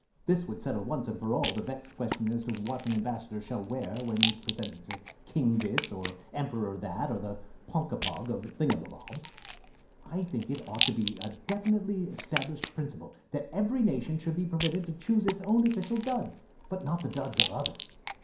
This would settle once and for all the vexed question as to what an Ambassador shall wear when presented to King This, or Emperor That, or the Ponkapog of Thingumbob. I think it ought to be a definitely established principle that every nation should be permitted to choose its own official dud, but not the duds of others.